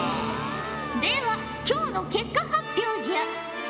では今日の結果発表じゃ！